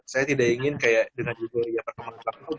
saya tidak ingin kayak dengan euphoria pengembangan vaksin